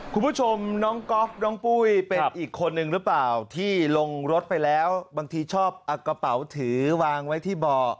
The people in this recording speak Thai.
คุณผู้ชมน้องก๊อฟน้องปุ้ยเป็นอีกคนนึงหรือเปล่าที่ลงรถไปแล้วบางทีชอบเอากระเป๋าถือวางไว้ที่เบาะ